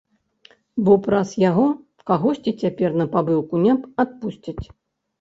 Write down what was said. Бо праз яго кагосьці цяпер на пабыўку не адпусцяць.